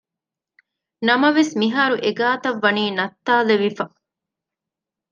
ނަމަވެސް މިހާރު އެގާތައް ވަނީ ނައްތާލެވިފަ